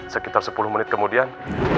sekitar sepuluh menit kemudian